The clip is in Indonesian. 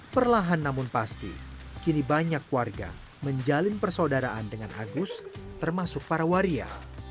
perlahan namun pasti kini banyak warga menjalin persaudaraan dengan agus termasuk para waria